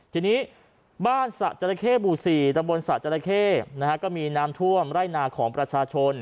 ทีนี้บ้านสะจราเข้หมู่๔ตะบนสระจราเข้ก็มีน้ำท่วมไร่นาของประชาชน